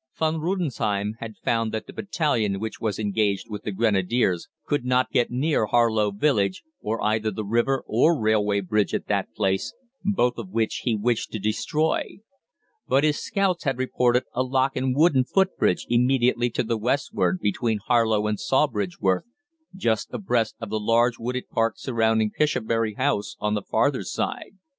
Von der Rudesheim had found that the battalion which was engaged with the Grenadiers could not get near Harlow village, or either the river or railway bridge at that place, both of which he wished to destroy. But his scouts had reported a lock and wooden footbridge immediately to the westward between Harlow and Sawbridgeworth, just abreast of the large wooded park surrounding Pishobury House on the farther side.